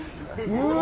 うわ！